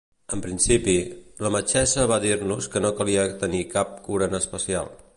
En principi, la metgessa va dir-nos que no calia tenir cap cura en especial.